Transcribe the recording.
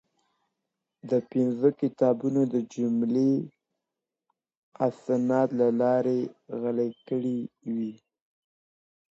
ده پنځه کتابونه د جعلي اسنادو له لارې غلا کړي وو.